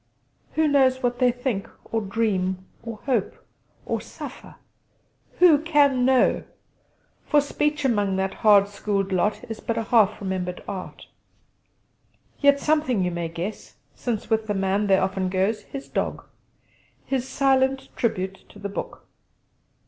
Who knows what they think, or dream, or hope, or suffer? Who can know? For speech among that hard schooled lot is but a half remembered art. Yet something you may guess, since with the man there often goes his dog; his silent tribute to The Book.